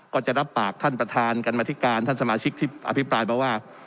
ก็จะรับปากท่านประธานกรรมธิการท่านสมาชิกที่อภิปรายมาว่า